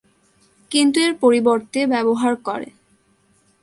কিন্তু এর পরিবর্তে ব্যবহার করে।